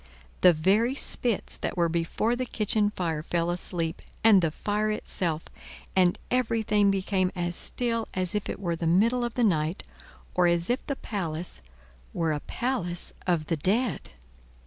The very spits that were before the kitchen fire fell asleep, and the fire itself, and everything became as still as if it were the middle of the night, or as if the palace were a palace of the dead.